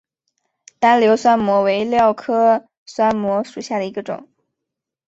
单瘤酸模为蓼科酸模属下的一个种。